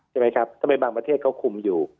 ใช่ไหมครับทำไมบางประเทศเขาคุมอยู่